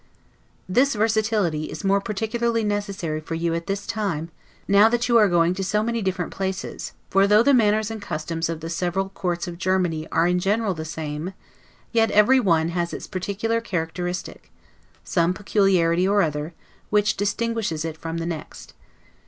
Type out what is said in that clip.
This versatility is more particularly necessary for you at this time, now that you are going to so many different places: for, though the manners and customs of the several courts of Germany are in general the same, yet everyone has its particular characteristic; some peculiarity or other, which distinguishes it from the next.